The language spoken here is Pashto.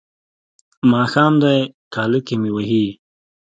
ماښام دی کاله کې مې وهي.